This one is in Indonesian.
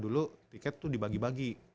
dulu tiket tuh dibagi bagi